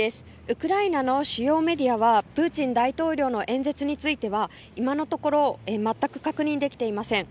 ウクライナの主要メディアはプーチン大統領の演説については今のところ全く確認できていません。